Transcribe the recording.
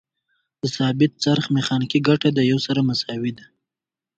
د ثابت څرخ میخانیکي ګټه د یو سره مساوي ده.